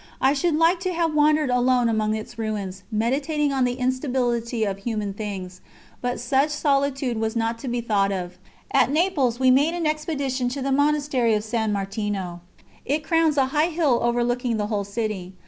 I should like to have wandered alone among its ruins, meditating on the instability of human things, but such solitude was not to be thought of. At Naples we made an expedition to the monastery of San Martino; it crowns a high hill overlooking the whole city.